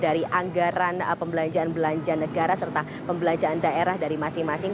dari anggaran pembelanjaan belanja negara serta pembelanjaan daerah dari masing masing